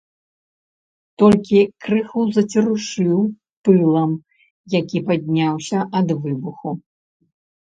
Толькі крыху зацерушыў пылам, які падняўся ад выбуху.